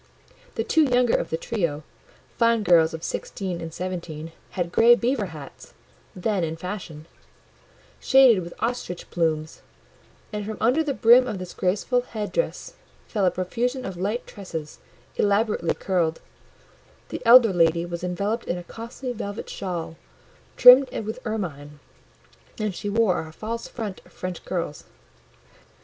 The two younger of the trio (fine girls of sixteen and seventeen) had grey beaver hats, then in fashion, shaded with ostrich plumes, and from under the brim of this graceful head dress fell a profusion of light tresses, elaborately curled; the elder lady was enveloped in a costly velvet shawl, trimmed with ermine, and she wore a false front of French curls.